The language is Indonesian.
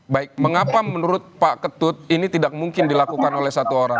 baik mengapa menurut pak ketut ini tidak mungkin dilakukan oleh satu orang